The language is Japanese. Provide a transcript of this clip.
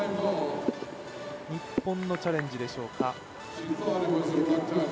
日本のチャレンジでしょうか。